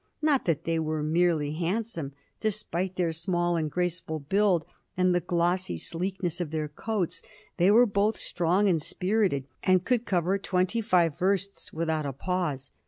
Not that they were merely handsome; despite their small and graceful build, and the glossy sleekness of their coats, they were both strong and spirited, and could cover twenty five versts without a pause.